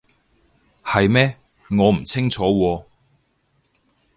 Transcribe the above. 係咩？我唔清楚喎